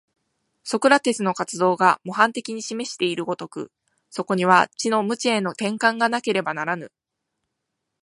ソクラテスの活動が模範的に示している如く、そこには知の無知への転換がなければならぬ。